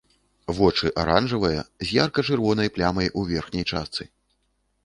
Вочы аранжавыя, з ярка-чырвонай плямай у верхняй частцы.